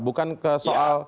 bukan ke soal